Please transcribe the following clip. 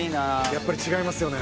やっぱり違いますよね。